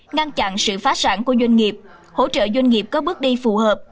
ngăn chặn sự phát sản của doanh nghiệp hỗ trợ doanh nghiệp có bước đi phù hợp